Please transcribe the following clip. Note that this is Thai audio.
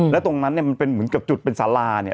แล้วตรงนั้นเนี่ยมันเป็นเหมือนกับจุดเป็นสาราเนี่ย